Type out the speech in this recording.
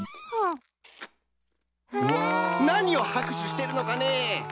何を拍手してるのかね！